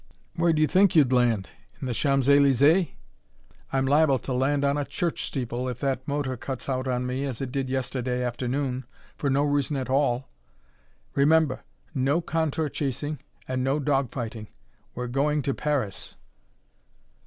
"Where'd you think you'd land in the Champs Elysees?" "I'm liable to land on a church steeple if that motor cuts out on me as it did yesterday afternoon for no reason at all. Remember, no contour chasing and no dog fighting. We're going to Paris."